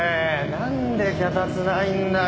なんで脚立ないんだよ？